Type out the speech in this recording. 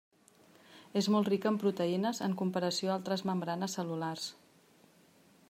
És molt rica en proteïnes en comparació altres membranes cel·lulars.